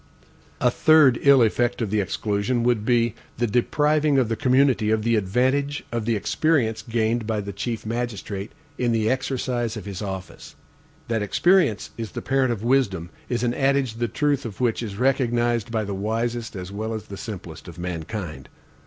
A third ill effect of the exclusion would be, the depriving the community of the advantage of the experience gained by the chief magistrate in the exercise of his office. That experience is the parent of wisdom, is an adage the truth of which is recognized by the wisest as well as the simplest of mankind.